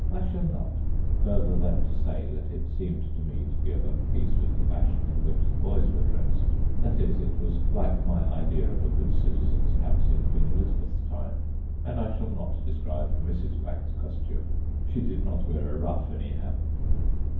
I shall not, further than to say that it seemed to me to be of a piece with the fashion in which the boys were dressed; that is, it was like my idea of a good citizen's house in Queen Elizabeth's time; and I shall not describe Mrs. Wag's costume. She did not wear a ruff, anyhow.